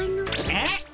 えっ？